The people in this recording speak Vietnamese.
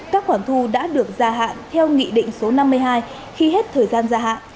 các khoản thu đã được gia hạn theo nghị định số năm mươi hai khi hết thời gian gia hạn